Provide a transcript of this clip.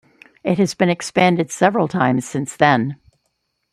It has been expanded several times since then.